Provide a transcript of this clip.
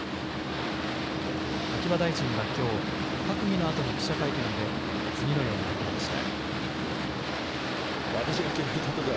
秋葉大臣はきょう閣議のあとの記者会見で次のように述べました。